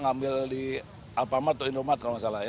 ngambil di alpamat atau indomat kalau tidak salah ya